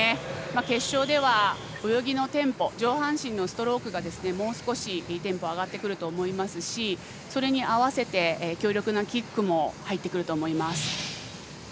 決勝では泳ぎのテンポ上半身のストロークがもう少しテンポが上がってくると思いますしそれに合わせて強力なキックも入ってくると思います。